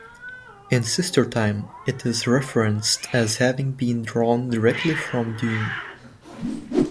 In "Sister Time" it is referenced as having been drawn directly from Dune.